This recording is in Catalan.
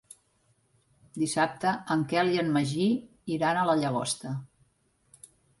Dissabte en Quel i en Magí iran a la Llagosta.